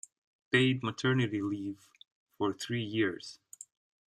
Paid maternity leave for three years.